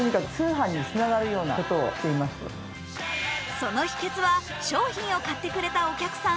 その秘けつは、商品を買ってくれたお客さん